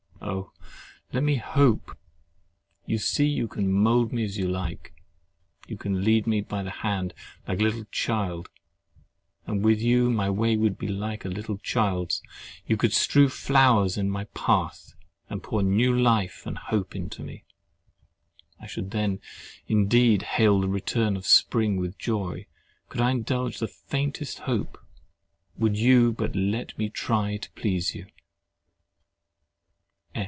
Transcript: Oh! let me hope! You see you can mould me as you like. You can lead me by the hand, like a little child; and with you my way would be like a little child's:—you could strew flowers in my path, and pour new life and hope into me. I should then indeed hail the return of spring with joy, could I indulge the faintest hope—would you but let me try to please you!